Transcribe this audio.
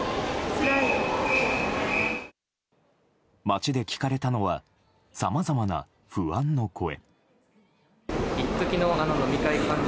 街で聞かれたのはさまざまな不安の声。